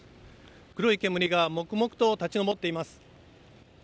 黒い煙がもくもくと立ち上っています。